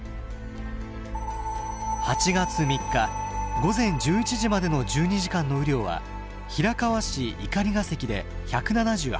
８月３日午前１１時までの１２時間の雨量は平川市碇ヶ関で１７８ミリ